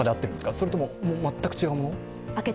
それとも、全く違うもの？